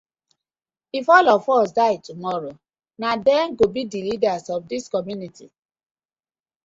If all of us die tomorrow, na dem go bi the leaders of dis community.